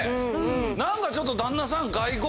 何かちょっと旦那さん。